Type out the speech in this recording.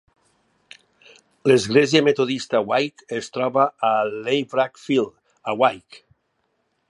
L'Església metodista Wyke es troba a Laverack Field, a Wyke.